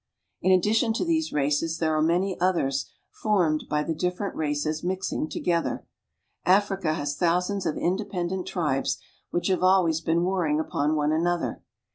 In addition to these races there are many others formed by the different races mixing together. Africa has thousands of independent tribes which have always been warring upon one another.